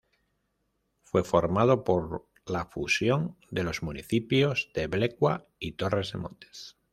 Fue formado por la fusión de los municipios de Blecua y Torres de Montes.